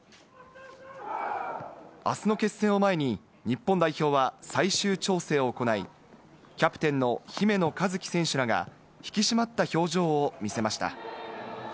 あすの決戦を前に、日本代表は最終調整を行い、キャプテンの姫野和樹選手らが引き締まった表情を見せました。